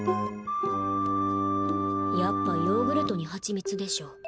やっぱヨーグルトに蜂蜜でしょ。